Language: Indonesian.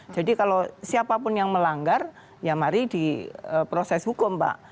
jadi kalau siapapun yang melanggar ya mari di proses hukum pak